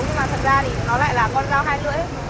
nhưng mà thật ra thì nó lại là con dao hai lưỡi